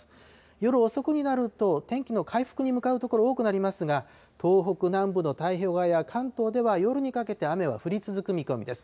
夜遅くになると、天気の回復に向かう所多くなりますが、東北南部の太平洋側や関東では夜にかけて雨は降り続く見込みです。